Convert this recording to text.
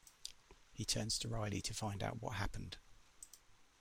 He turns to Riley to find out what happened.